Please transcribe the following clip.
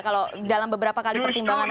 kalau dalam beberapa kali pertimbangan